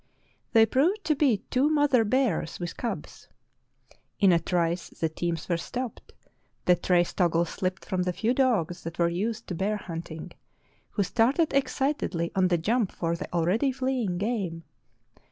They proved to be two mother bears with cubs. In a trice the teams were stopped, the trace toggles slipped from the few dogs that were used to bear hunting, who started excitedly on the jump for the already fleeing game.